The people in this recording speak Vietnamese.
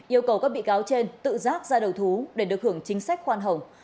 yêu cầu các bị cáo trên tự giác ra đầu thú để được hưởng chính sách khoan hồng